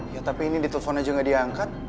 ya tapi ini di telfon aja gak diangkat